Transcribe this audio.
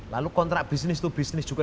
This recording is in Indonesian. lalu kontrak bisnis to bisnis juga